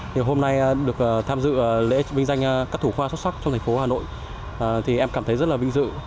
thì hôm nay được tham dự lễ vinh danh các thủ khoa xuất sắc trong thành phố hà nội thì em cảm thấy rất là vinh dự